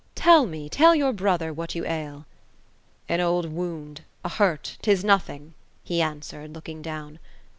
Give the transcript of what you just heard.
Tell me, tell your bro ther, what you ail." " An old wound, a hurt, — His nothing ;" he answered, looking down.